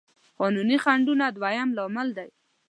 قانوني خنډونه دويم لامل دی.